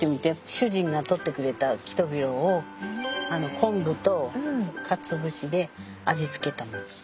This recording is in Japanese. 主人が採ってくれたキトビロを昆布とカツオ節で味付けたもの。